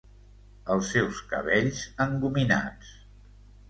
Els seus cabells engominats.